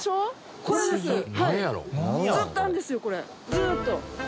ずっと。